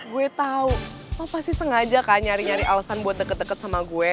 gue tau pasti sengaja kan nyari nyari alasan buat deket deket sama gue